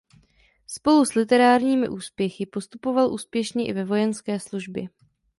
Spolu s literárními úspěchy postupoval úspěšně i ve vojenské službě.